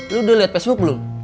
lo udah liat facebook belom